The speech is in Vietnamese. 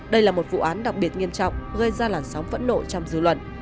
đây là một vụ án đặc biệt nghiêm trọng gây ra làn sóng phẫn nộ trong dư luận